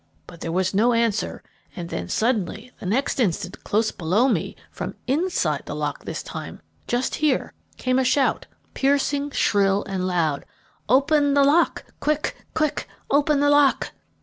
but there was no answer; and then suddenly, the next instant, close below me, from inside the lock this time, just here, came a shout, piercing, shrill, and loud, 'Open the lock, quick, quick! Open the lock!'